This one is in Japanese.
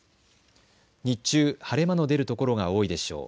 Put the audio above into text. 日中、晴れ間の出る所が多いでしょう。